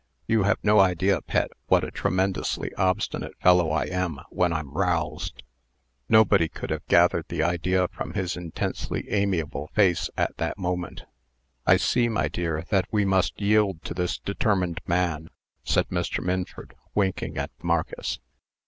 You have no idea, Pet, what a tremendously obstinate fellow I am when I'm roused." Nobody could have gathered the idea from his intensely amiable face at that moment. "I see, my dear, that we must yield to this determined man," said Mr. Minford, winking at Marcus.